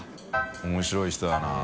面白い人だな。